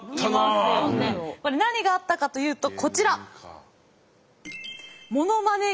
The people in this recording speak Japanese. これ何があったかというとこちら。